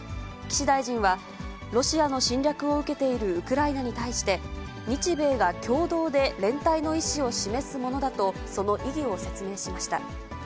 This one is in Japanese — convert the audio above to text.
岸大臣は、ロシアの侵略を受けているウクライナに対して、日米が共同で連帯の意思を示すものだと、その意義を説明しました。